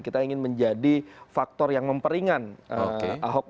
kita ingin menjadi faktor yang memperingan ahok untuk berubah